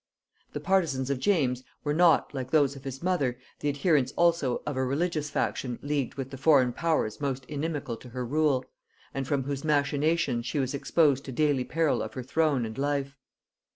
The partisans of James were not, like those of his mother, the adherents also of a religious faction leagued with the foreign powers most inimical to her rule, and from whose machinations she was exposed to daily peril of her throne and life.